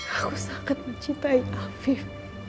aku sangat mencintai afif